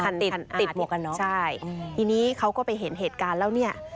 คันอาถิตใช่ที่นี่เขาก็ไปเห็นเหตุการณ์แล้วเนี่ย